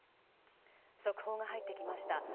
速報が入ってきました。